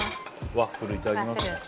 ワッフルいただきます。